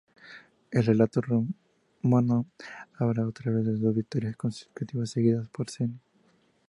El relato romano habla otra vez de dos victorias consecutivas conseguidas por Cn.